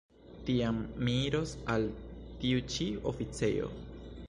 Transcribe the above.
Tiam mi iros al tiu ĉi oficejo.